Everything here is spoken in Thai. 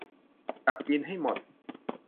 จับกินให้หมด